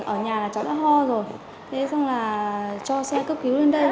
ở nhà là cháu đã ho rồi thế xong là cho xe cấp cứu lên đây